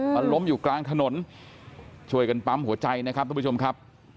มันล้มอยู่กลางถนนช่วยกันปั๊มหัวใจนะครับทุกผู้ชมครับ